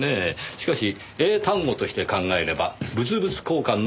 しかし英単語として考えれば物々交換の意味です。